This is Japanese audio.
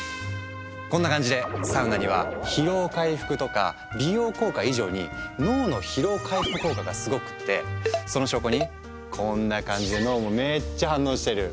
こんな感じでサウナには疲労回復とか美容効果以上に脳の疲労回復効果がすごくってその証拠にこんな感じで脳もめっちゃ反応してる。